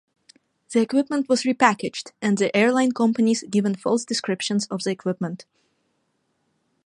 The equipment was repackaged and the airline companies given false descriptions of the equipment.